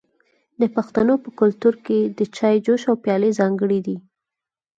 د پښتنو په کلتور کې د چای جوش او پیالې ځانګړي دي.